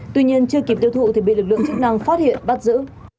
tuy nhiên chưa kịp tiêu thụ thì bị lực lượng chức năng phát hiện bắt giữ